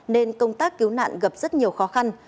nên công tác cứu nạn gặp rất nhiều khó khăn